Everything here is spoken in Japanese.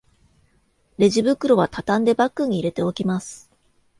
レジ袋はたたんでバッグに入れておきます